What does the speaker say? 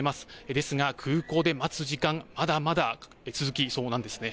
ですが空港で待つ時間まだまだ続きそうなんですね。